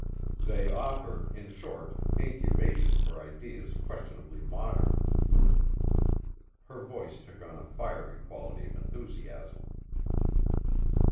"They offer, in short, incubation for ideas questionably modern." Her voice took on a fiery quality of enthusiasm.